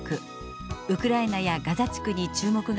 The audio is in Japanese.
ウクライナやガザ地区に注目が集まる